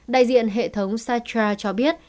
đại diện hệ thống satra cho biết